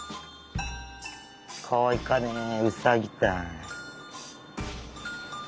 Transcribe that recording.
かわいかねウサギたい。